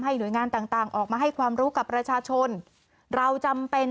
หน่วยงานต่างต่างออกมาให้ความรู้กับประชาชนเราจำเป็น